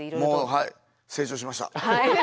はい成長しました。